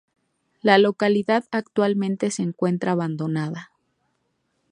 La localidad actualmente se encuentra abandonada.